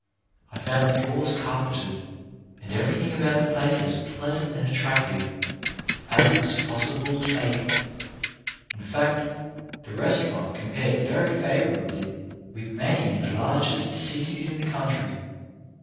I found the floors carpeted, and every thing about the place as pleasant and attractive as it was possible to make it. In fact the restau rant compared very favourably with many in the largest cities in the country.